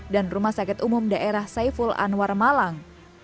dan rumah sakit umum daerah saiful anwar malang